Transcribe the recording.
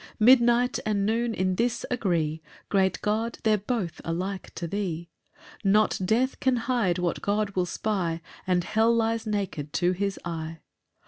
12 Midnight and noon in this agree, Great God, they're both alike to thee: Not death can hide what God will spy, And hell lies naked to his eye.